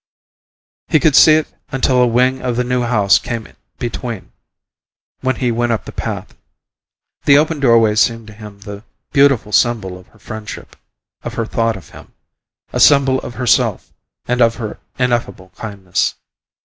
He could see it until a wing of the New House came between, when he went up the path. The open doorway seemed to him the beautiful symbol of her friendship of her thought of him; a symbol of herself and of her ineffable kindness.